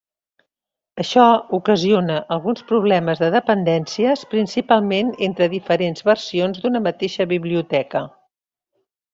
Això ocasiona alguns problemes de dependències, principalment entre diferents versions d'una mateixa biblioteca.